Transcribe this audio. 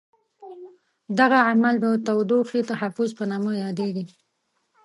دغه عمل د تودوخې تحفظ په نامه یادیږي.